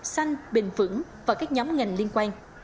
xanh bình vững và các nhóm ngành liên quan